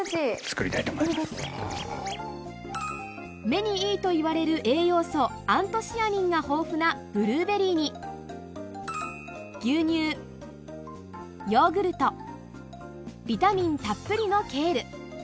目にいいといわれる栄養素アントシアニンが豊富なブルーベリーに牛乳ヨーグルトビタミンたっぷりのケール